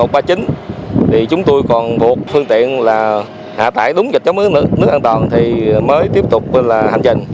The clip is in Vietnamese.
thì chúng tôi còn buộc phương tiện là hạ tải đúng dịch chống nước an toàn thì mới tiếp tục hành trình